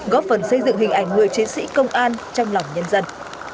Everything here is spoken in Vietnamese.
góp phần xây dựng hình ảnh người chiến sĩ công an trong lòng nhân dân